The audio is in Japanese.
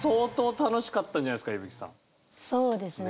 そうですね。